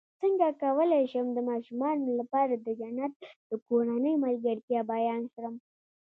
څنګه کولی شم د ماشومانو لپاره د جنت د کورنۍ ملګرتیا بیان کړم